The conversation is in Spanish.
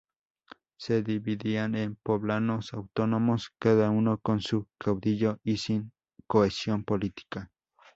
Se dividían en poblados autónomos, cada uno con su caudillo y sin cohesión política.